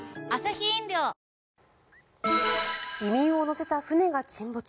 移民を乗せた船が沈没。